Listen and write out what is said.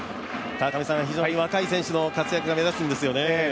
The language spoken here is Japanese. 非常に若い選手の活躍が目立つんですよね。